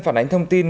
phản ánh thông tin